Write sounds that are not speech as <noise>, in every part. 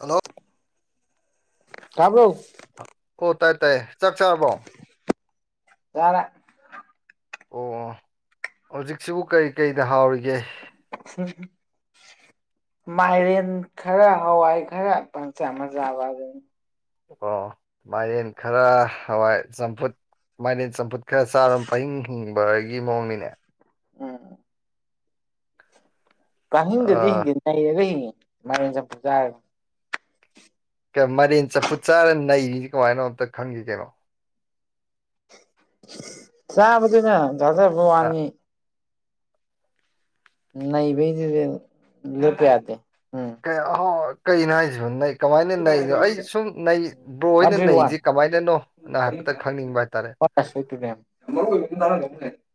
Hello ꯇꯥꯕ꯭ꯔꯣ ꯑꯣ ꯇꯥꯏ ꯇꯥꯏꯌꯦ ꯆꯥꯛ ꯆꯥꯔꯕꯣ ꯆꯥꯔꯦ ꯑꯣ ꯑꯣ ꯍꯧꯖꯤꯛꯁꯤꯕꯨ ꯀꯔꯤ ꯀꯔꯤꯅ ꯍꯥꯎꯔꯤꯒꯦ ꯑꯩ ꯎ <inaudible> ꯃꯥꯏꯔꯦꯟ ꯈꯔ ꯍꯋꯥꯏ ꯈꯔ ꯄꯪꯆꯥꯥ ꯑꯃ ꯆꯥꯕ ꯍꯥꯢꯗꯨꯅꯤ ꯑꯣ ꯃꯥꯏꯅꯦꯟ ꯈꯔ ꯍꯋꯥꯏ ꯆꯝꯐꯨꯠ ꯃꯥꯏꯅꯦꯟ ꯆꯝꯐꯨꯠ ꯈꯔ ꯆꯥꯔ ꯄꯪꯍꯤꯡ ꯍꯤꯡꯕꯒꯤ ꯃꯑꯣꯡꯅꯤꯅꯦ ꯎꯝ ꯀꯥꯅꯤꯡꯗꯔꯗꯤ ꯍꯤꯡꯗꯤ ꯅꯩꯔꯒ ꯍꯤꯡꯉꯦ ꯃꯔꯦꯟ ꯆꯝꯐꯨꯠ ꯆꯥꯔꯒ ꯃꯔꯦꯟ ꯆꯥꯝꯐꯨꯠ ꯆꯥꯔ ꯅꯩꯔꯤꯁꯤ ꯀꯃꯥꯏꯅꯅꯣ ꯑꯝꯇ ꯈꯪꯒꯦ ꯀꯩꯅꯣ ꯆꯥꯕꯗꯨꯅ ꯆꯖꯕꯩ ꯑ ꯋꯥꯅꯤ ꯅꯩꯕꯩꯗꯨꯗꯤ ꯂꯦꯞꯄ ꯌꯥꯗꯦ ꯑ ꯀꯩꯅꯣ ꯍꯥꯏꯁꯤꯕ ꯅ <inaudible> ꯀꯃꯥꯏꯅ ꯅꯩꯅꯣ ꯑꯩ ꯁꯨꯝ ꯅꯩ ꯕ꯭ꯔꯣ ꯋꯥꯟ ꯍꯣꯏꯅ ꯊ꯭ꯔꯤ ꯋꯥꯟ ꯅꯩꯔꯤꯁꯦ ꯀꯃꯥꯏꯅꯅꯣ ꯑꯗꯨꯅ ꯍꯥꯢꯐꯦꯠꯇꯪ ꯈꯪꯅꯤꯡꯕ ꯍꯥꯏꯇꯥꯔꯦ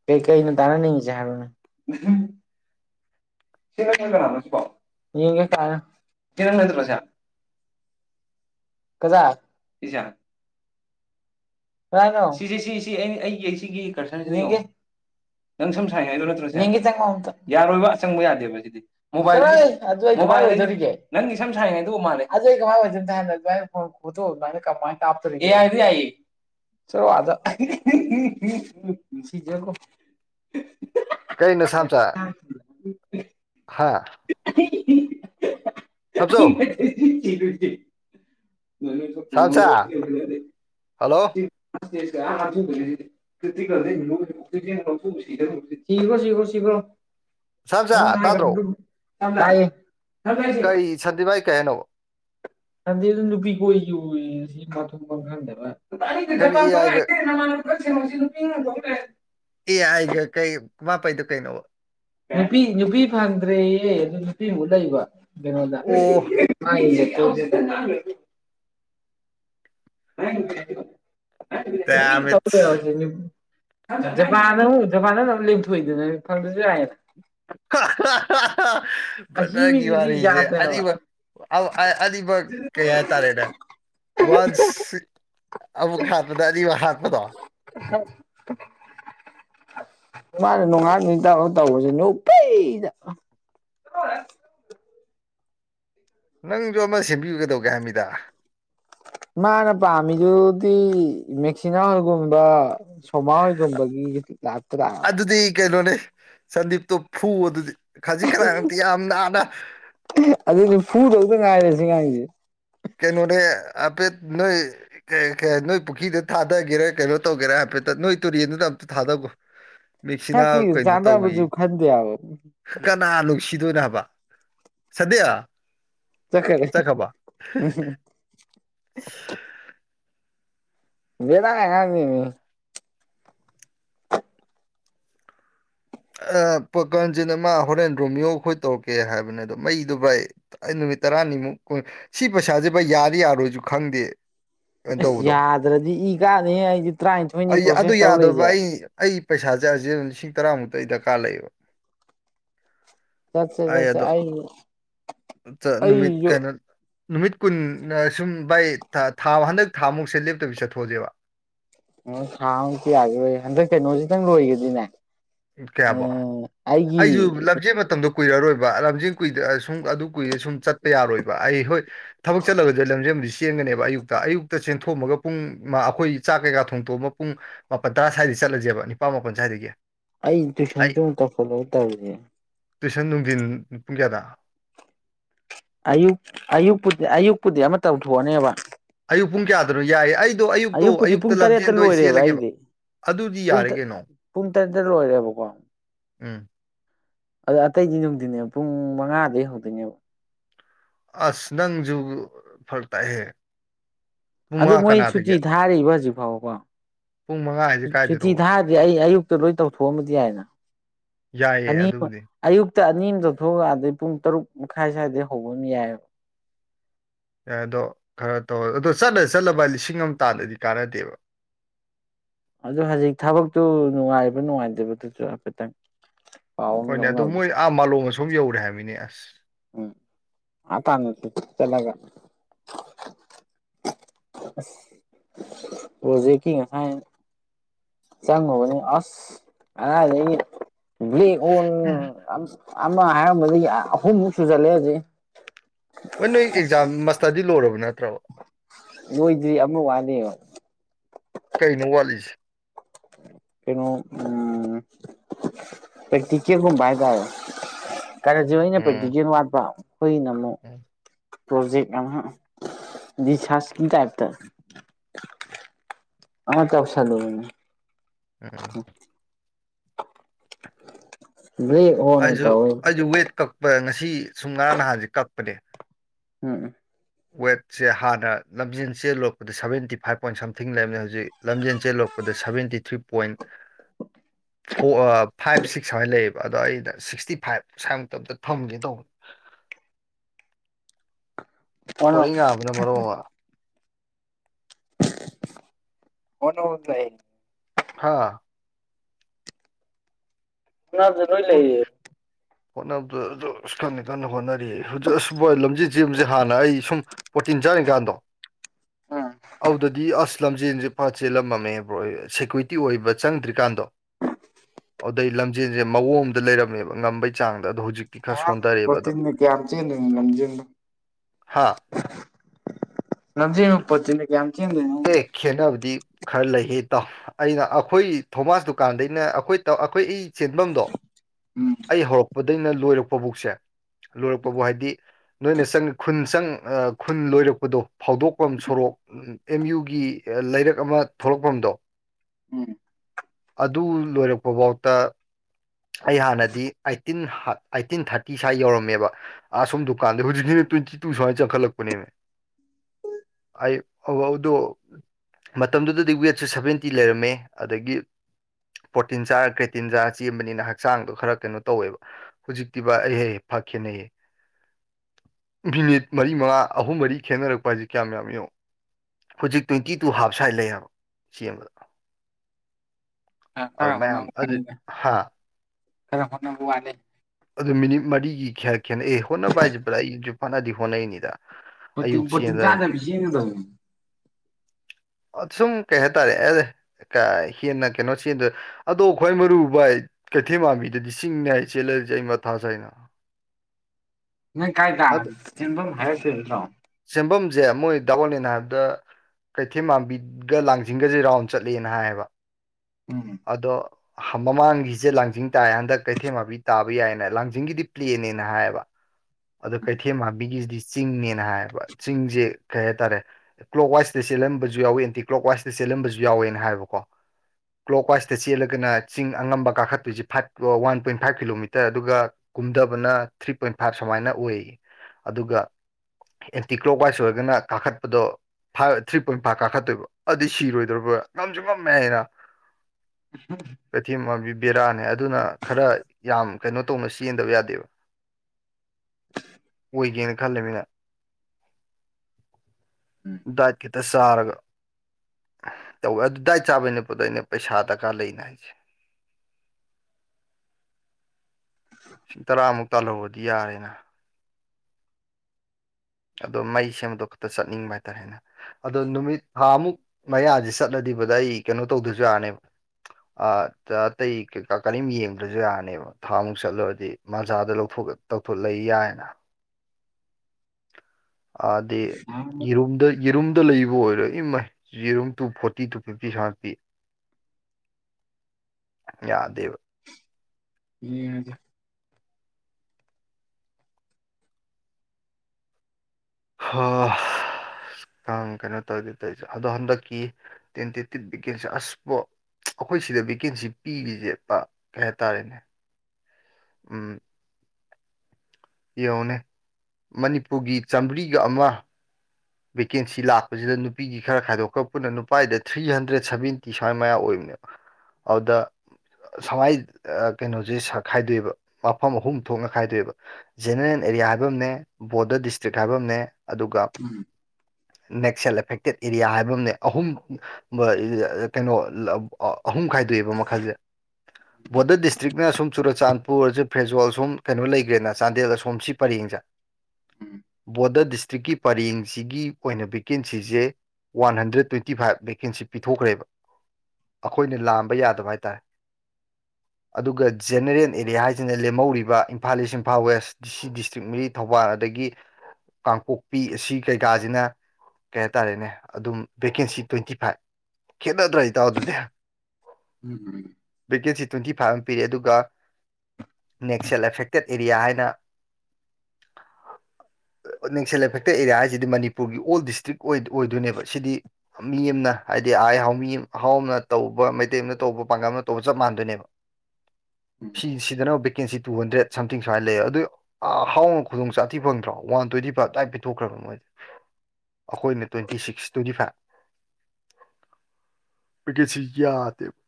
ꯀꯩ ꯀꯩꯅꯣ ꯇꯅꯅꯤꯡꯢꯁꯦ ꯍꯥꯢꯔꯛꯑꯣ ꯆꯤꯁꯤ ꯆꯤꯔ꯭ꯔꯁ <inaudible> ꯀꯖ <inaudible> ꯀ ꯁꯤꯁꯦ ꯁꯤ ꯁꯤ ꯑꯩ ꯑꯩꯒꯤ ꯁꯤꯒꯤ ꯀꯔꯁꯟꯁꯤ <inaudible> ꯅꯪ ꯁꯨꯝ ꯁꯥꯏꯅ ꯍꯥꯏꯗꯣ ꯅꯠꯇ꯭ꯔ ꯌꯥꯔꯣꯏꯕ ꯑ ꯆꯪꯕ ꯌꯥꯗꯦꯕ ꯁꯤꯗꯤ <inaudible> ꯣꯕꯥꯒꯦ ꯅꯪꯗꯤ ꯁꯝ ꯁꯥꯏꯉꯩ ꯑꯗꯨ ꯃꯥꯜꯂꯦꯏ <inaudible> ꯑꯦ ꯑꯥꯢ ꯗ ꯌꯥꯢꯌꯦ ꯆꯠꯂꯣ ꯑꯥꯗ ꯀꯔꯤꯅꯣ ꯁꯥꯅꯥ ꯃꯆꯥ <inaudible> ꯁꯥꯝꯆꯧ ꯅꯪꯉꯦꯦ ꯁꯥꯝꯆꯥ <inaudible> ꯍꯜꯂꯣ <inaudible> <inaudible> ꯁꯥꯝꯆꯥ ꯇꯥꯗ꯭ꯔꯣ <inaudible> ꯑꯩ ꯁꯇꯤꯚꯥꯏ ꯀꯩ ꯍꯥꯢꯅꯣ ꯍꯥꯏꯗꯤ ꯑꯗꯨ ꯅꯨꯄꯤ ꯀꯣꯏꯒꯤ ꯁꯤ ꯃꯊꯨꯝꯪ ꯈꯪꯗꯕ <inaudible> ꯀꯩꯅꯣ ꯅꯪ ꯑꯦꯑꯥꯏꯒ ꯁꯤꯡꯉꯛꯎ ꯁꯤ ꯅꯨꯄꯤ <unintelligible> ꯑꯦ ꯑꯩꯒ ꯀꯩ ꯃꯥꯄꯩꯗꯨ ꯀꯩꯅꯣ ꯅꯨꯄꯤ ꯅꯨꯄꯤ ꯐꯪꯗ꯭ꯔꯦꯌꯦ ꯑꯗꯨ ꯅꯨꯄꯤꯃꯨꯛ ꯂꯩꯕ ꯀꯩꯅꯣꯗ <inaudible> ꯑꯣ <inaudible> ꯗꯦꯝꯏꯠ ꯖꯄꯥꯟꯗ ꯑꯃꯨꯛ ꯖꯄꯥꯟꯗ ꯑꯃꯨꯛ ꯂꯤꯡꯊꯣꯛꯏꯗꯅ ꯐꯪꯗꯁꯨ ꯌꯥꯏꯑꯌꯦꯗ ꯑꯁꯤ ꯐꯇꯀꯤ ꯃꯤꯁꯤꯗꯤ ꯋꯥꯔꯤꯔꯤꯁꯦ ꯌꯥꯗꯦꯕ ꯑꯗꯤꯕ <inaudible> ꯑꯅꯤꯃꯛ ꯀꯩ ꯍꯥꯏꯇꯔꯦꯅꯦ ꯋꯥꯟꯁ ꯑꯃꯨꯛ ꯍꯥꯠꯄꯗ ꯑꯅꯤꯃꯛ ꯍꯥꯠꯄꯗꯣ <unintelligible> ꯃꯥꯅ ꯅꯣꯡꯉꯥꯟ ꯅꯨꯃꯤꯠꯇꯐꯥꯎ ꯇꯧꯕꯁꯦ ꯅꯨꯄꯤꯗ꯫ ꯅꯪꯁꯨ ꯑꯃ ꯁꯦꯝꯕꯤꯕꯀꯩꯗꯧꯒꯦ ꯍꯥꯏꯕꯅꯤꯗ꯫ ꯃꯥꯅ ꯄꯥꯝꯃꯤꯗꯨꯗꯤ ꯃꯦꯛꯁꯤꯅꯥ ꯍꯣꯜꯒꯨꯝꯕ ꯁꯣꯃꯥ ꯍꯣꯏꯒꯨꯝꯕꯒꯤ ꯇꯥꯞꯇꯥ ꯂꯥꯛꯑꯕ꯫ ꯑꯗꯨꯗꯤ ꯀꯩꯅꯣꯅꯦ ꯁꯟꯗꯤꯞꯇꯣ ꯐꯨ ꯑꯗꯨꯗꯤ ꯈꯖꯤꯛ ꯈꯔꯥꯛ ꯅꯠꯇꯦ ꯌꯥꯝ ꯅꯥꯟꯅ꯫ ꯑꯗꯨꯗꯤ ꯐꯨꯗꯧꯕꯇ ꯉꯥꯏꯔ ꯁꯤ ꯑꯉꯥꯡꯁꯦ꯫ ꯀꯩꯅꫭꯅꯦ ꯑꯄꯦꯠ ꯅꯣꯏ꯫ ꯀꯩ ꯀꯩ ꯅꯣꯏ ꯄꯨꯈ꯭ꯔꯤꯗ ꯊꯥꯗꯒꯦꯔꯥ ꯀꯩꯅꯣ ꯇꯧꯒꯦꯔꯥ ꯍꯥꯏꯐꯦꯠꯇ ꯅꯣꯏ ꯇꯨꯔꯦꯟꯗꯨꯗ ꯑꯝꯇ ꯊꯥꯗꯈꯣ꯫ ꯃꯦꯛꯁꯤꯅꯥ ꯁꯛꯁꯤ ꯀꯩꯅꯣ ꯇꯧꯋꯤ꯫ ꯆꯥꯟꯅꯕꯁꯨ ꯈꯟꯗꯦꯕ ꯀꯅꯥ ꯅꯨꯡꯁꯤꯗꯣꯏꯅꯣ ꯍꯥꯏꯕ ꯁꯇꯤꯌꯥ ꯆꯠꯈꯔꯦ ꯆꯠꯈꯔꯕꫭ꯫ <unintelligible> <inaudible> ꯕꯦꯔꯒꯤ ꯑꯉꯥꯡꯅꯦꯃꯦ꯫ ꯑ ꯄꯀꯥꯟꯖꯤꯠꯅ ꯃꯥ ꯍꯣꯔꯦꯟ ꯔꯣꯃꯤꯌꯣ ꯑꯩꯈꯣꯏ ꯇꯧꯔꯛꯀꯦ ꯍꯥꯏꯕꯅꯦ ꯑꯗꯣ ꯃꯩꯗꯨ ꯚꯥꯏ꯫ ꯑꯩ ꯅꯨꯃꯤꯠ ꯇꯔꯥꯅꯤꯃꯨꯛ ꯍꫭꯏ ꯁꯤ ꯄꯩꯁꯥꯁꯦ ꯚꯥꯏ ꯌꯥꯅꯤ ꯌꯥꯔꯣꯏꯁꯨ ꯈꯪꯗꯦ꯫ ꯀꯩꯅꯣ ꯑꯁ ꯇꯧꯕꯗꯣ ꯌꯥꯗ꯭ꯔꯗꯤ ꯏ ꯀꯥꯟꯅꯤꯍꯦ ꯑꯩꯗꯤ ꯇꯔꯥꯅꯤꯊꯣꯏꯅꯤ ꯑꯩ ꯑꯗꯨ ꯄ꯭ꯔꯣꯁꯦꯁ ꯇꯧꯔ ꯌꯥꯗꯕ ꯂꯩꯏꯁꯦ꯫ ꯑꯩ ꯑꯩ ꯄꯩꯁꯥꯁꯦ ꯍꯧꯖꯤꯛ ꯂꯤꯁꯤꯡ ꯇꯔꯥꯃꯨꯛꯇ ꯑꯩ ꯗꯔꯀꯥꯔ ꯂꯩꯌꯦꯕ꯫ ꯆꯠꯁꯦ ꯑꯩ ꯆꯠꯁꯦ ꯑꯗꯣ ꯆꯥ ꯅꯨꯃꯤꯠ ꯑꯩꯁꯨ ꯀꯩꯅꫭ꯫ ꯅꯨꯃꯤꯠ ꯀꯨꯟ ꯁꯨꯝ ꯕꯥꯏ ꯊꯥ ꯍꯟꯗꯛ ꯊꯥꯃꯨꯛꯁꯦ ꯂꯦꯞꯇꯁꯤ ꯆꯠꯊꯣꯛꯑꯁꯦꯕ ꯑꯣ ꯊꯥꯃꯨꯛꯇꯤ ꯌꯥꯒꯤꯔꯣꯏ ꯍꯟꯗꯛ ꯀꯩꯅꯣꯁꯤꯇꯪ ꯂꯣꯏꯒꯤꯁꯤꯅꯦ꯫ ꯀꯌꯥꯕꯣ ꯑꯩꯁꯨ ꯑꯩꯒꯤ ꯂꯝꯖꯦꯜ ꯃꯇꯝꯗꯣ ꯀꯨꯏꯔꯔꯣꯏꯕ ꯂꯝꯖꯤꯡ ꯀꯨꯏꯗ ꯁꯨꯝ ꯑꯗꯨ ꯀꯨꯏꯗꯦ ꯁꯨꯝ ꯆꯠꯄ ꯌꯥꯔꯣꯏꯕ ꯑꯩ ꯍꯣꯏ꯫ ꯊꯕꯛ ꯆꯠꯂꯔꫭꯏꯗ ꯂꯝꯖꯦꯟꯕꯨꯗꯤ ꯆꯦꯟꯒꯅꯦꯕ ꯑꯌꯨꯛꯇ ꯑꯌꯨꯛꯇ ꯆꯦꯟꯊꯣꯛꯑꯝꯃꯒ ꯄꯨꯡ ꯃꯥ ꯑꯩꯈꯣꯏ ꯆꯥꯛ ꯀꯩꯀꯥ ꯊꯣꯡꯇꯣꯛꯑꯃ ꯄꯨꯡ ꯃꯥꯄꯜ ꯇꯔꯥ ꯁ꯭ꯋꯥꯏꯗꯒꯤ ꯆꯠꯂꯁꯦꯕ ꯅꯤꯄꯥꯟ ꯃꯥꯄꯟ ꯁ꯭ꯋꯥꯏꯗꯒꯤ꯫ ꯑꯩ ꯑꯩ ꯇꯨꯏꯁꯟꯁꯨ ꯇꯧꯈꯜꯂꯥꯛꯑꯦ ꯇꯧꯔꯤꯅꯦ꯫ ꯇꯨꯏꯁꯟ ꯅꯨꯡꯊꯤꯟ ꯄꯨꯡ ꯀꯌꯥꯗ ꯑꯌꯨꯛ ꯑꯌꯨꯛꯄꯨꯗꯤ ꯑꯌꯨꯛꯄꯨꯗꯤ ꯑꯃ ꯇꯧꯊꯣꯛꯑꯅꯦꯕ꯫ ꯑꯌꯨꯛ ꯄꯨꯡ ꯀꯌꯥꯗꯅꯣ ꯌꯥꯏꯌꯦ ꯑꯩꯗꯣ ꯑꯌꯨꯛꯇꯣ ꯑꯌꯨꯛꯄꯨꯗꯤ ꯑꯌꯨꯛꯇ ꯄꯨꯡ ꯇꯔꯦꯠꯇ ꯂꯝꯖꯦꯟꯗꯣ ꯑꯩ ꯂꯣꯏꯔꯦꯕ ꯆꯦꯜꯂꯒꯦꯕ꯫ ꯑꯩꯗꯤ ꯑꯗꯨꯗꯤ ꯄꯨꯡ ꯌꯥꯔꯦ ꯇ ꯀꯩꯅꯣ ꯄꯨꯡ ꯇ꯭ꯔꯦꯠꯇ ꯂꯣꯏꯔꯦꯕꯀꯣ꯫ ꯎꯝ‌꯫ ꯑꯗꫭ ꯑꯇꯩꯗꯤ ꯅꯨꯡꯊꯤꯟꯅꯦꯕ ꯄꯨꯡ ꯃꯉꯥꯗꯥꯏ ꯍꯧꯗꯣꯏꯅꯦꯕ ꯑꯁ ꯅꯪꯁꯨ ꯐꯔꯥꯛ ꯇꯥꯏꯍꯦ꯫ ꯄꯨꯡ ꯑꯗꯨ ꯃꯉꯥ ꯃꯣꯏ ꯁꯨꯇꯤ ꯀꯅꯥꯗꯒꯤ ꯊꯥꯔꯤꯕ ꯍꯧꯖꯤꯛ ꯐꯥꯎꯕ ꯄꯨꯡ ꯃꯉꯥ ꯍꯥꯏꯁꯦ ꯁꯨꯇꯤ ꯀꯥꯏꯗꯅꯣꯕ ꯊꯥ ꯗꯤ ꯑꯩ ꯑꯌꯨꯛꯇ ꯂꯣꯏ ꯇꯧꯊꯣꯛꯑꯝꯃꯗꯤ ꯌꯥꯏꯗꯅ ꯌꯥꯏꯌꯦ ꯑꯅꯤ ꯑꯗꯨꯕꯨꯗꯤ ꯑꯌꯨꯛꯇ ꯑꯅꯤ ꯑꯃ ꯇꯧꯊꯣꯛꯑꯒ ꯑꯗꯩ ꯄꯨꯡ ꯇꯔꯨꯛ ꯃꯈꯥꯏ ꯁ꯭ꯋꯥꯏꯗꯩ ꯍꯧꯕ ꯑꯃ ꯌꯥꯏꯑꯕ꯫ ꯌꯔꯦ ꯑꯗꯣ ꯈꯔ ꯇꯧꯔ ꯑꯗꯣ ꯆꯠꯂꯦ ꯆꯠꯂꯕ ꯂꯤꯁꯤꯡ ꯑꯃ ꯇꯥꯟꯗꯗꯤ ꯀꯥꯟꯅꯗꯦꯕ ꯑꯗꯨ ꯍꯧꯖꯤꯛ ꯊꯕꯛꯇꯨ ꯅꯨꯡꯉꯥꯏꯔꯤꯕꯔ ꯅꯨꯡꯉꯥꯏꯇꯔꯤꯕꯗꯨꯁꯨ ꯍꯥꯏꯐꯦꯠꯇꯪ ꯄꯥꯎ ꯑꯃ ꯍꯣꯏꯅꯦ ꯑꯗꯣ ꯂꯧꯅꯕꯗ ꯃꯣꯏ ꯑꯥ ꯃꯥꯂꯣ ꯑꯁꯨꯝ ꯌꯧꯔꯦ ꯍꯥꯏꯕꯅꯤꯅꯦ ꯑꯁ ꯎꯝ ꯑꯇꯥꯟꯅ ꯆꯠꯂꯒ ꯑꯁ ꯄ꯭ꯔꯣꯖꯦꯛꯀꯤ ꯉꯁꯥꯏꯅ꯫ ꯆꯪꯉꯨꯕꯅꯤ ꯑꯁ ꯑꯥ ꯍꯂꯥꯛꯏ ꯕ꯭ꯂꯦꯛ ꯍꯣꯜ ꯎꯝ ꯑꯃ ꯍꯥꯏꯔꯝꯕꯗꯒꯤ ꯑꯍꯨꯝꯃꯨꯛ ꯁꯨꯖꯜꯂꯦꯑꯦ ꯍꯧꯖꯤꯛ ꯍꯣꯏ ꯅꯣꯏ ꯑꯦꯛꯖꯥꯝ ꯃꯁꯇꯔꯗꯤ ꯂꯣꯏꯔꯕ ꯅꯠꯇ꯭ꯔꯕ ꯂꫭꯏꯗ꯭ꯔꯤ ꯑꯃ ꯋꯥꯠꯂꯤꯕ ꯀꯩꯅꫭ ꯋꯥꯠꯂꯤꯁꯦ ‌꯫ ꯀꯩꯅꯣ ꯎꯝ ꯄꯦꯛꯇꯤꯀꯦꯜ ꯀꯨꯝꯕ ꯍꯥꯏ ꯇꯥꯔꯦ꯫ ꯀ꯭ꯔꯅꯖꯤꯠ ꯍꫭꯏꯅ ꯎꯝ ꯄꯦꯛꯇꯤꯀꯦꯜ ꯋꯥꯠꯄ ꯑꯩꯈꫭꯏꯅꯃꯨꯛ ꯎꯝ ꯄꯣꯖꯦꯛ ꯑꯃ ꯔꯤꯁꯆ ꯀꯤ ꯇꯥꯞꯇꯥ꯫ ꯑꯃꯥ ꯆꯞꯁꯗꯅꯤ ꯎ <unintelligible> ꯑꯩꯁꯨ ꯇꯧꯋꯦ ꯑꯩꯁꯨ ꯋꯦꯠ ꯀꯛꯄ ꯉꯁꯤ ꯁꯨꯝ ꯉꯔꯥ ꯅꯍꯥꯟꯁ ꯀꯛꯄꯅꯦ ꯎꯝ ꯎꯝ ꯋꯦꯠꯁꯦ ꯍꯥꯟꯅ ꯂꯝꯖꯦꯟ ꯆꯦꯜꯂꯄꯗ ꯁꯕꯦꯟꯇꯤ ꯐꯥꯏꯚ ꯄꯣꯏꯟ ꯁꯝꯊꯤꯡ ꯂꯩꯕ ꯍꯧꯅꯤ ꯍꯧꯖꯤꯛ ꯂꯝꯖꯦꯟ ꯆꯦꯜꯂꯛꯄꯗ ꯁꯚꯦꯟꯇꯤ ꯊ꯭ꯔꯤ ꯄꯣꯏꯟ ꯐ ꯐꯥꯏꯚ ꯁꯤꯛꯁ ꯁꯨꯃꯥꯏꯅ ꯂꯩꯌꯦꯕ ꯑꯗꯣ ꯑꯩꯅ ꯁꯤꯛꯁꯇꯤ ꯐꯥꯏꯚ ꯁꯥꯡ ꯇꯞꯇ ꯊꯝꯒꯦ ꯇꯧꯕ ꯍꯣꯠꯅꯧ ꯄꯣꯔꯩ ꯉꯥꯕꯅ ꯃꯔꯝ ꯑꯣꯏ ꯑꯣꯅ ꯎꯗꯥꯏ ꯍꯥꯥ <unintelligible> <unintelligible> ꯍꯣꯠꯅꯕꯗ ꯑꯗꯨ ꯀꯟꯅ ꯀꯟꯅ ꯍꯣꯠꯅꯔꯤ ꯍꯧꯖꯤꯛ ꯑꯁꯨ ꯂꯝꯖꯦꯟ ꯁꯦꯝꯕꯁꯦ ꯍꯥꯟꯅ ꯑꯩ ꯁꯨꯝ ꯄ꯭ꯔꯣꯇꯤꯟ ꯆꯥꯔꯤꯀꯥꯟꯗꯣ ꯎꯝ ꯑꯗꯨꯧꯗꯗꯤ ꯑꯁ ꯂꯝꯖꯦꯟꯁꯦ ꯐꯥꯠ ꯆꯦꯜꯂꯝꯃꯝꯃꯦꯕ꯭ꯔꯣ ꯁꯦꯀ꯭ꯌꯨꯔꯤꯇꯤ ꯑꯣꯏꯕ ꯆꯪꯗ꯭ꯔꯤꯀꯥꯟꯗꯣ ꯑꯗꯩ ꯂꯝꯖꯦꯜꯁꯦ ꯃꯑꯣꯡ ꯑꯃꯗ ꯂꯩꯔꯝꯃꯦꯕ ꯉꯝꯕꯩ ꯆꯥꯡꯗ ꯑꯗꯣ ꯍꯧꯖꯤꯛ ꯉꯥꯏꯍꯥꯛ ꯄꯣꯔꯇꯤꯟꯅ ꯈꯌꯥꯝꯅꯦ ꯂꯝꯖꯥꯜꯗꯦ ꯍꯥ ꯂꯝꯖꯥꯜꯕꯨ ꯄꯣꯔꯇꯤꯟꯅ ꯀꯌꯥꯝ ꯆꯤꯟꯗꯦꯅꯦ ꯑꯦ ꯈꯦꯠꯅꯕꯗꯤ ꯈꯔ ꯂꯩꯍꯦ ꯏꯇꯥꯏ ꯑꯩꯅ ꯑꯩꯈꯣꯏ ꯊꯣꯃꯥꯁ ꯗꯨꯀꯥꯟꯗꯩꯅ ꯑꯩꯈꯣꯏ ꯑꯩꯈꯣꯏ ꯑꯩ ꯆꯦꯟꯐꯝꯗꯣ ꯎꯝ ꯑꯩ ꯍꯧꯔꯛꯄꯗꯒꯤꯅ ꯂꯣꯏꯔꯛꯄꯕꯨꯁꯦ ꯂꯣꯏꯔꯛꯄꯕꯣꯏ ꯍꯥꯏꯗꯤ ꯅꯣꯏꯅ ꯆꯪꯉ ꯈꯨꯟ ꯆꯪ ꯈꯨꯟ ꯂꯣꯏꯔꯛꯄꯗꯣ ꯐꯥꯎꯗꯣꯛꯐꯝ ꯁꯣꯔꯣꯛ ꯑꯦꯝ ꯌꯨꯒꯤ ꯂꯩꯔꯛ ꯑꯃ ꯊꯣꯛꯂꯛꯐꯝꯗꯣ ꯎꯝ ꯑꯗꯨ ꯂꯣꯏꯔꯛꯄ ꯐꯥꯎꯇ ꯑꯩ ꯍꯥꯟꯅꯗꯤ ꯑꯩꯠꯇꯤꯟ ꯑꯩꯠꯇꯤꯟ ꯊꯥꯔꯇꯤ ꯁ꯭ꯋꯥꯏ ꯌꯧꯔꯝꯃꯦꯕ ꯑꯁꯣꯝ ꯗꯨꯀꯥꯟꯗ ꯍꯧꯖꯤꯛ ꯇ꯭ꯋꯇꯤ ꯇꯨ ꯁꯨꯃꯥꯏꯅ ꯆꯈꯠꯂꯛꯄꯅꯦ ꯑ ꯍꯧꯗꯨ ꯃꯇꯝꯗꯨꯗꯗꯤ ꯋꯦꯠꯁꯨ ꯁꯚꯦꯟꯇꯤ ꯂꯩꯔꯝꯃꯦ ꯑꯗꯒꯤ ꯄꯣꯇꯤꯟ ꯆ ꯀ꯭ꯔꯦꯇꯤꯟ ꯆ ꯆꯦꯟꯕꯅꯤꯅ ꯍꯛꯆꯥꯡꯗꯣ ꯈꯔ ꯀꯩꯅꯣ ꯇꯧꯋꯦꯕ ꯍꯧꯖꯤꯛꯇꯤꯚꯕꯥ ꯑꯩꯍꯦ ꯐꯛ ꯈꯦꯠꯅꯩꯌꯦ ꯃꯤꯅꯤꯠ ꯃꯔꯤ ꯃꯉꯥ ꯑꯍꯨꯝ ꯃꯔꯤ ꯈꯦꯠꯅꯔꯛꯄ ꯍꯥꯏꯁꯦ ꯀꯌꯥꯝ ꯌꯥꯝꯃꯤꯉꯣ ꯍꯧꯖꯤꯛ ꯇ꯭ꯋꯦꯟꯇꯤ ꯇꯨ ꯍꯥꯞ ꯁ꯭ꯋꯥꯏ ꯂꯩꯌꯦꯕ ꯁꯦꯝ ꯑꯃꯗ ꯑ ꯈꯔ ꯍꯣꯅꯅꯕꯅꯤꯗ ꯈꯔ ꯍꯣꯅꯅꯕ ꯋꯥꯅꯤ ꯑꯗꯨ ꯃꯤꯅꯤꯠ ꯃꯔꯤꯒꯤ ꯈ ꯈꯦꯠꯅꯩ ꯍꯣꯠꯅꯕ ꯍꯥꯏꯁꯤ ꯄꯨꯂ ꯑꯩꯁꯨ ꯐꯅꯗꯤ ꯍꯣꯠꯅꯩꯅꯤꯗ ꯄ ꯑꯌꯨꯛ ꯄꯣꯔ ꯏꯥꯟ ꯆꯦꯟꯗꯅ ꯆꯥꯗꯕꯤꯗ ꯆꯥꯟꯒꯗꯩꯅꯤ ꯁꯨꯝ ꯀꯩ ꯍꯥꯏꯇꯥꯔꯦ ꯑꯦ ꯍꯦꯟꯅ ꯀꯩꯅꯣꯁꯤꯗ ꯑꯗꯣ ꯈ꯭ꯋꯥꯏ ꯃꯔꯨ ꯏ ꯀꯩꯊꯩ ꯃꯥꯟꯕꯤꯗꯗꯤ ꯆꯤꯡ ꯏ ꯆꯦꯜꯂꯔꯤꯁꯦ ꯑꯩ ꯃꯊ ꯁ ꯍꯥꯏꯅ ꯅ ꯀꯥꯏ ꯀ ꯍꯥꯏꯁ ꯇ ꯁꯦꯝꯐꯝꯁꯦ ꯃꯣꯏ ꯗꯥꯕꯣꯟꯅꯤꯅ ꯍꯥꯏꯕꯗ ꯀꯩꯊꯦꯝ ꯃꯝꯕꯤꯒ ꯂꯥꯡꯖꯤꯡꯒꯁꯦ ꯔꯥꯎꯟ ꯆꯠꯂꯦꯅ ꯍꯥꯏꯌꯦꯕ ꯎꯝ ꯑꯗꯣ ꯃꯃꯥꯡꯒꯤꯁꯦ ꯂꯥꯡꯖꯤꯡ ꯇꯥꯏ ꯍꯟꯗꯛ ꯀꯩꯊꯩ ꯃꯥꯕꯤ ꯌꯥꯥꯡꯤꯡꯗꯤ ꯄ꯭ꯂꯦꯅ ꯍꯥꯏꯌꯦꯕ ꯑ ꯀꯩꯊꯕꯤꯒꯤꯁꯤꯗ ꯆꯤꯡꯅꯦꯅ ꯍꯥꯏꯌꯦꯕ ꯆꯤꯡꯁꯦ ꯀꯩ ꯍꯥꯏꯇꯥꯔꯦ ꯀ꯭ꯂꯣꯛ ꯋꯥꯏꯁꯇ ꯆꯦꯜꯂꯝꯕꯁꯨ ꯌꯥꯎꯋꯦ ꯑꯦꯟꯇꯤ ꯀ꯭ꯂꯣꯛ ꯋꯥꯏꯁꯇ ꯆꯦꯜꯂꯝꯕꯁꯨ ꯌꯥꯎꯋꯦꯅ ꯍꯥꯏꯕꯀꯣ ꯀ꯭ꯂꯣꯛ ꯋꯥꯏꯁꯇ ꯆꯦꯜꯂꯒꯅ ꯆꯤꯡ ꯑꯉꯝꯕ ꯀꯥꯈꯠꯇꯣꯏꯁꯤꯦ five one point five kilometre ꯑꯗꯨꯒ ꯀꯨꯝꯗꯕꯅ ꯊ꯭ꯔꯤ ꯄꯣꯏꯟ ꯐꯥꯏꯚ ꯁꯨꯃꯥꯏꯅ ꯑꯣꯏ ꯑꯗꯨꯒ ꯑꯦꯟꯇꯤꯀ꯭ꯂꯣꯛ ꯋꯥꯏꯁ ꯑꯣꯏꯔꯒꯅ ꯀꯥꯈꯠꯄꯗꯣ ꯐꯥꯏꯚ ꯊ꯭ꯔꯤ ꯄꯣꯏꯟ ꯐꯥꯏꯚ ꯀꯥꯈꯠꯇꯣꯏꯕ ꯑꯗꯨꯗꯤ ꯁꯤꯔꯣꯏꯗ꯭ꯔꯕ ꯉꯝꯁꯨ ꯉꯝꯃꯦ ꯍꯥꯏꯅ <inaudible> ꯀꯩꯊ‌ꯦꯟ ꯃꯕꯤ ꯕꯦꯔꯥꯅꯦ ꯑꯗꯨꯅ ꯈꯔ ꯌꯥꯝ ꯀꯩꯅꯣ ꯇꯧꯅ ꯆꯦꯟꯗꯕ ꯌꯥꯗꯦꯕ ꯑꯣꯏꯒꯦꯅ ꯈꯜꯂꯤꯃꯤꯅ ꯎꯝ ꯗꯏꯠ ꯗ ꯆꯥꯔꯒ ꯇꯧꯋꯦ ꯑꯗꯨ ꯗꯥꯏꯠ ꯆꯥꯕꯩ ꯅ‌ꯦꯄꯣꯗꯥ ꯑꯩꯅ ꯄꯩꯁꯥ ꯗꯔꯀꯥꯔ ꯂꯩꯅ ꯍꯥꯏꯁꯦ <inaudible> ꯂꯤꯁꯤꯡ ꯇꯔꯥꯃꯨꯛ ꯇꯥꯜꯍꯧꯔꯗꯤ ꯌꯥꯔꯦꯅ ꯑꯗꯣ ꯃꯩ ꯁꯦꯝꯕꯗꯣ ꯈꯛꯇ ꯆꯠꯅꯤꯡꯕ ꯍꯥꯏꯇꯥꯔꯦꯅ ꯑꯗꯣ ꯅꯨꯃꯤꯠ ꯊꯥꯃꯨꯛ ꯃꯌꯥꯖꯤ ꯆꯠꯂꯗꯤ ꯕꯔꯗ ꯑꯩ ꯀꯩꯅꯣ ꯇꯧꯗꯖꯨ ꯌꯥꯅꯦꯕ ꯑ ꯑꯇꯩ ꯀꯩ ꯀꯥ ꯀꯔꯤꯝ ꯌꯦꯡꯗ꯭ꯔꯁꯨ ꯌꯥꯔꯅꯦꯕ ꯊꯥꯃꯨꯛ ꯆꯠꯂꯨꯔꯗꯤ ꯃꯖꯥꯗ ꯂꯧꯊ‌ꯣꯛ ꯇꯧꯊꯣꯛ ꯂꯩ ꯌꯥꯏꯌ‌ꯦꯅ ꯑꯗꯤ ꯑꯃꯨꯛ ꯌꯦꯔꯨꯝ ꯗꯩ ꯌꯦꯔꯨꯝꯗ ꯂꯩꯕ ꯑꯣꯏꯔꯣ ꯏꯃꯩ ꯌꯦꯔꯨꯝ ꯇꯨ ꯐꯣꯔꯇꯤ ꯇꯨ ꯐꯤꯞꯇꯤ ꯁꯨꯃꯥꯏ ꯄꯤ ꯌꯥꯗꯦꯕ ꯌꯦꯡꯉꯖ‌ꯦ ꯀꯥꯡ ꯀꯩꯅꯣ ꯇꯧꯗꯤ ꯇꯧꯔꯤꯁꯦ ꯑꯗꯣ ꯍꯟꯗꯛꯀꯤ ꯇ‌ꯦꯟꯇ‌ꯦ ꯇꯤꯞ ꯕꯤꯀ‌ꯦ ꯁ‌ꯦ ꯑꯁ ꯄ‌‌ꯣ ꯑꯩꯈꯣꯏ ꯁꯤꯗ ꯚꯦꯀꯦꯟꯁꯤ ꯄꯤꯔꯤꯖ‌ꯦ ꯑꯥ ꯀꯩ ꯍꯥꯏꯇꯥꯔꯦꯅꯦ ꯎꯝ ꯌꯦꯡꯉꯎꯅꯦ ꯃꯅꯤꯄꯨꯔꯒꯤ ꯆꯥꯝꯃꯔꯤꯒ ꯑꯃ ꯚꯦꯀꯦꯟꯁꯤ ꯂꯥꯛꯄꯁꯤꯗ ꯅꯨꯄꯤꯒꯤ ꯈꯔ ꯈꯥꯏꯗꯣꯛꯈ꯭ꯔ ꯄꯨꯟꯅ ꯅꯨꯄꯥꯏꯗ ꯊ꯭ꯔꯤ ꯍꯟꯗ꯭ꯔꯦꯠ ꯁꯚꯦꯟꯇꯤ ꯁꯋꯥꯏ ꯃꯌꯥ ꯑꯣꯏꯕꯅꯦꯕ ꯑꯧꯗꯥ ꯁꯋꯥꯏ ꯀꯩꯅꯣꯖ‌ꯦ ꯁꯛ ꯈꯥꯏꯗꯣꯏ ꯑ‌ꯦꯕꯥ ꯃꯐꯝ ꯑꯍꯨꯝ ꯊꯣꯛꯅ ꯈꯥꯏꯗꯣꯛꯑ‌ꯦꯕꯥ ꯖꯦꯅꯔꯦꯜ ꯑꯦꯔꯤꯌꯥ ꯍꯥꯏꯕ ꯑꯝꯅꯦ ꯕꯣꯔꯗꯔ ꯗꯤꯁꯇ꯭ꯔꯤꯛ ꯍꯥꯏꯕ ꯑꯝꯅꯦ ꯑꯗꯨꯒ ꯎꯝ ꯅꯦꯛꯁꯦꯜ ꯑꯦꯐꯦꯛꯇꯦꯠ ꯑꯦꯔꯤꯌꯥ ꯍꯥꯏꯕ ꯑꯃꯅꯦ ꯑꯍꯨꯝ <unintelligible> ꯀꯩꯅꯣ ꯑꯍꯨꯝ ꯈꯥꯏꯗꯣꯛꯑꯦꯕ ꯃꯈꯜꯖ‌ꯦ ꯕꯣꯔꯗꯔ ꯗꯤꯁꯇ꯭ꯔꯤꯛꯅ ꯁꯨꯝ ꯆꯨꯔꯆꯥꯟꯄꯨꯔ ꯐꯦꯖꯣꯜ ꯁꯨꯝ ꯀꯩꯅꯣ ꯂꯩꯒ꯭ꯔꯦꯅ ꯆꯥꯟꯗꯦꯜꯗ ꯑꯁꯣꯝ ꯁꯤ ꯄꯔꯦꯡꯖ‌‌ꯦ ꯕꯣꯗꯔ ꯗꯤꯁꯇ꯭ꯔꯤꯛꯀꯤ ꯄꯔꯦꯡ ꯁꯤꯒꯤ ꯑꯣꯏꯅ ꯚꯦꯀꯦꯟꯁꯤꯁꯦ one hundred twenty five vacancy ꯄꯤꯊꯣꯛꯈ꯭ꯔꯦꯕ ꯑꯈꯣꯏꯅ ꯂꯥꯝꯕ ꯌꯥꯗꯕ ꯍꯥꯏꯇꯥꯔꯦ ꯑꯗꯨꯒ ꯖꯦꯅꯔꯦꯜ ꯑꯦꯔꯤꯌꯥ ꯍꯥꯏꯖꯤꯅꯥ ꯂꯦꯝꯍꯧꯔꯤꯕ ꯏꯝꯐꯥꯜ ꯏꯁ Imphal west D C district ꯃꯔꯤ ꯊꯧꯕꯥꯜ ꯑꯗꯒꯤ ꯀꯥꯡꯄꯣꯛꯄꯤ ꯑꯁꯤ ꯀꯩꯀꯥꯖꯤꯅ ꯀꯩ ꯍꯥꯏꯇꯥꯔꯦꯅꯦ ꯑꯗꯨꯝ ꯚꯦꯀꯦꯟꯁꯤ ꯇ꯭ꯋꯦꯟꯇꯤ ꯐꯥꯏꯚ ꯈꯦꯠꯅꯗ꯭ꯔꯥ ꯏꯇꯥꯎ ꯑꯗꯨꯗꯤ ꯎꯝ ꯎꯝ ꯚ‌ꯦꯀꯦꯟꯁꯤ ꯇ꯭ꯋꯦꯟꯇꯤ ꯐꯥꯏꯚ ꯑꯃ ꯄꯤꯔꯦ ꯑꯗꯨꯒ ꯅꯦꯛꯁꯦꯜ ꯑꯦꯐꯦꯛꯇꯦꯠ ꯑꯦꯔꯤꯌꯥ ꯍꯥꯏꯅ ꯅ‌ꯦꯛꯁꯦꯜ ꯑ‌ꯦꯐꯦꯛꯇ‌ꯦꯠ ꯑꯦꯔꯤꯌꯥ ꯍꯥꯏꯁꯤꯗꯤ ꯃꯅꯤꯄꯨꯔꯒꯤ ꯑꯣꯜ ꯗꯤꯁꯇ꯭ꯔꯤꯛ ꯑꯣꯏꯗꯣꯏꯅꯦꯕ ꯁꯤꯗꯤ ꯃꯤ ꯑꯃꯅ ꯍꯥꯏꯗꯤ ꯑꯥꯏ ꯍꯥꯎ ꯃꯤ ꯍꯥꯎ ꯑꯃꯅꯥ ꯇꯧꯕ ꯃꯩꯇꯩ ꯑꯃꯅꯥ ꯇꯧꯕ ꯄꯥꯡꯒꯜ ꯑꯃꯅꯥ ꯇꯧꯕ ꯆꯞ ꯃꯥꯟꯅꯗꯣꯏꯅꯦ ꯎꯝ ꯁꯤ ꯁꯤꯗꯅ ꯚꯦꯀꯦꯟꯁꯤ ꯇꯨ ꯍꯟꯗ꯭ꯔꯦꯠ ꯁꯝꯊꯤꯡ ꯁꯨꯃꯥꯏꯟ ꯂꯩꯌꯦ ꯑꯗꯨ ꯑ ꯍꯥꯎꯅ ꯈꯨꯗꯣꯡ ꯆꯥ ꯊꯤ ꯐꯪꯗ꯭ꯔꯣ ꯋꯥ ꯇ꯭ꯋꯦꯟꯇꯤ ꯐꯥꯏꯚ ꯑꯗꯥꯏ ꯄꯤꯊꯣꯛꯈ꯭ꯔ ꯃꯣꯏꯗꯤ ꯑꯈꯣꯏꯅ twenty six twenty five vacancy ꯌꯥꯗ‌ꯦꯕ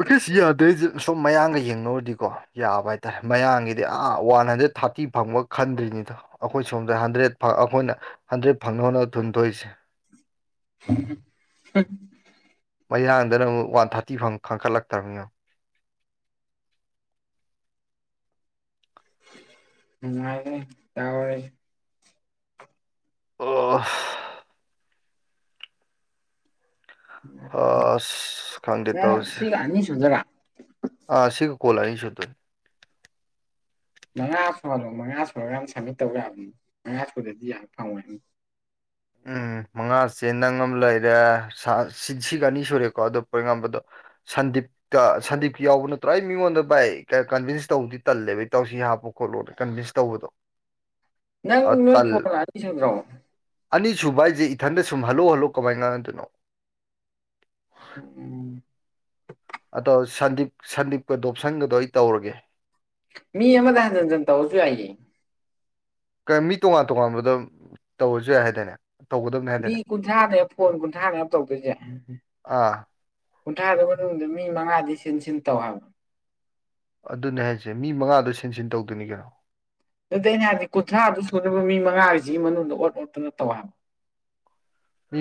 ꯚ‌ꯦꯀꯦꯟꯁꯤ ꯌꯥꯗꯦ ꯍꯥꯏꯖ‌ꯦ ꯁꯣꯝ ꯃꯌꯥꯡꯒ ꯌꯦꯡꯅꯧꯔꯗꯤꯀꯣ ꯌꯥꯕ ꯍꯥꯏꯇꯥꯔꯦ ꯃꯌꯥꯡꯒꯤꯗꯤ ꯑꯥ ꯋꯥꯟ ꯍꯟꯗ꯭ꯔꯦꯠ ꯊꯥꯔꯇꯤ ꯐꯪꯕꯥ ꯈꯟꯗ‌ꯣꯏꯅꯤꯗꯣ ꯑꯩꯈꯣꯏ ꯁꯣꯝꯗ ꯍꯟꯗ꯭ꯔꯦꯠ ꯐꯥ ꯑꯩꯈꯣꯏꯅ ꯍꯟꯗ꯭ꯔꯦꯠ ꯐꯪꯅ ꯍ‌ꯣꯟꯅꯥꯕ ꯊꯨꯝ ꯊꯣꯛꯏꯁꯦ <unintelligible> ꯃꯌꯥꯡꯗꯅ ꯑꯃꯨꯛ ꯋꯥꯟ ꯊꯥꯔꯇꯤ ꯐꯪ ꯈꯪꯀꯠꯂꯛꯇ꯭ꯕ ꯅꯤꯌ‌ꯦꯡ ꯃꯅꯨꯡꯥꯏꯔ‌ꯦ ꯇꯧꯔꯤ ꯑꯣ ꯁ ꯍꯥꯑꯁ ꯈꯥꯟꯗꯦ ꯅꯪ ꯇꯧꯔꯤꯁꯦ ꯁꯤꯒ ꯑꯅꯤ ꯁꯨꯗꯣꯏꯔ ꯑ ꯁꯤꯒ ꯀꯣꯂ ꯑꯅꯤ ꯁꯨꯗꯣꯏꯅꯦ ꯃꯉꯥ ꯁꯣꯜꯂꯣ ꯃꯉꯥ ꯁꯨꯔꯒ ꯁꯃꯤꯠ ꯇꯧꯌꯥꯕꯅꯤ ꯃꯉꯥ ꯁꯨꯔꯗꯤ ꯌꯥꯝ ꯐꯪꯑꯣꯏ ꯎꯝ ꯃꯉꯥꯁꯦ ꯅꯪ ꯑꯃ ꯂꯩꯔꯦ ꯁꯥ ꯁꯤꯒ ꯑꯅꯤ ꯁꯨꯔꯦꯀꯣ ꯑꯗꯨ ꯄꯣꯔꯩꯉꯥꯟꯕꯗꯣ ꯁꯟꯗꯤꯞ ꯁꯟꯗꯤꯞꯀꯤ ꯌꯥꯎꯕ ꯅꯠꯇ꯭ꯔꯥ ꯑꯩ ꯃꯤꯉꯣꯟꯗ ꯕꯥꯏ ꯀꯟꯚꯤꯟꯁ ꯇꯧꯕꯗꯤ ꯇꯜꯂꯦꯕ ꯏꯇꯥꯎꯁꯤ ꯍꯥꯞꯄꯨ ꯈꯣꯠꯂꯣꯠꯅ ꯀꯟꯚꯤꯟꯁ ꯇꯧꯕꯗꯣ ꯅꯪ ꯑ ꯅꯣꯏ ꯇꯜ ꯐꯣꯂꯥꯗꯣ ꯏꯁꯟꯗ꯭ꯔꯕꯣ ꯑꯅꯤꯁꯨꯕ ꯍꯥꯏ ꯑꯩꯁꯦ ꯏꯊꯟꯗ ꯁꯨꯝ ꯍꯜꯂꯨ ꯍꯜꯂꯨ ꯀꯃꯥꯏ ꯉꯥꯡꯅꯗꯣꯏꯅꯣ ꯎꯝ ꯎꯝ ꯑꯗꯣ ꯁꯟꯗꯤꯞ ꯁꯟꯗꯤꯞꯀ ꯗꯣꯞꯁꯟꯒꯗꯣ ꯑꯩ ꯇꯧꯔꯒꯦ ꯃꯤ ꯌꯥꯃꯗ ꯍꯥꯟꯖꯟꯖꯟ ꯇꯧꯔꯁꯨ ꯌꯥꯏꯌꯦ ꯀ ꯃꯤ ꯇꯣꯉꯥꯟ ꯇꯣꯉꯥꯟꯕꯗ ꯇꯧꯔꯁꯨ ꯌꯥꯏ ꯍꯥꯏꯗꯥꯏꯅꯦ ꯇꯧꯒꯗꯕꯅꯦ ꯃꯤ ꯍꯥꯏꯗꯥꯏꯅꯦ ꯀꯨꯟꯊ꯭ꯔꯥꯅꯦ ꯐꯣꯟ ꯀꯨꯟꯊ꯭ꯔꯥꯔꯛ ꯇꯧꯗꯣꯏꯖꯦ ꯑꯥ ꯀꯨꯟꯊ꯭ꯔꯥꯗꯨ ꯃꯅꯨꯡꯗ ꯃꯤ ꯃꯉꯥꯗꯤ ꯁꯤꯟ ꯁꯤꯟ ꯇꯧ ꯍꯥꯏꯕ ꯑꯗꯨꯅꯦ ꯍꯥꯏꯁꯦ ꯃꯤ ꯃꯉꯥꯗꯣ ꯁꯤꯟꯁꯤꯟ ꯇꯧꯗꯣꯏꯅꯤ ꯀꯩꯅꯣ ꯅꯠꯇꯦ ꯑꯩꯅ ꯍꯥꯏꯕꯗꯤ ꯀꯨꯟꯊ꯭ꯔꯥꯗꯨ ꯁꯨꯅꯕ ꯃꯤ ꯃꯉꯥꯖꯤꯒꯤ ꯃꯅꯨꯡꯗ ꯑꯣꯠ ꯑꯣꯠꯇꯅ ꯇꯧꯍꯥꯕ ꯃꯤ